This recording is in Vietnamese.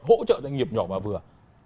hỗ trợ doanh nghiệp nhỏ và vừa